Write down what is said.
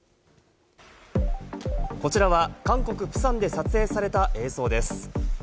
こちらは韓国・プサンで撮影された映像です。